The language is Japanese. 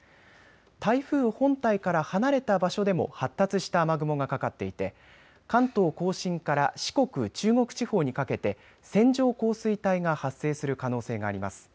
台風本体から離れた場所でも発達した雨雲がかかっていて関東甲信から四国・中国地方にかけて線状降水帯が発生する可能性があります。